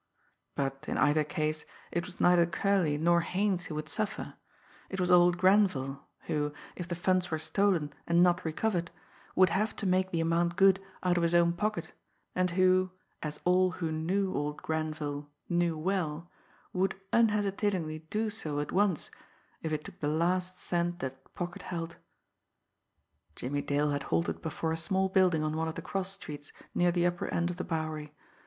But in either case, it was neither Curley nor Haines who would suffer it was old Grenville, who, if the funds were stolen and not recovered, would have to make the amount good out of his own pocket, and who, as all who knew old Grenville knew well, would unhesitatingly do so at once if it took the last cent that pocket held. Jimmie Dale had halted before a small building on one of the cross streets near the upper end of the Bowery.